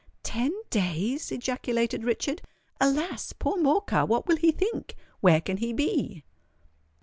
"Ten days!" ejaculated Richard. "Alas! poor Morcar—what will he think? where can he be?"